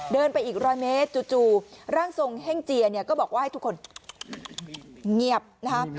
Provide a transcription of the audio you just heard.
เดินไปอีกร้อยเมตรจู่ร่างทรงเฮ่งเจียเนี่ยก็บอกว่าให้ทุกคนเงียบนะคะ